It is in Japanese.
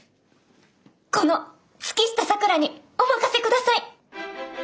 この月下咲良にお任せください！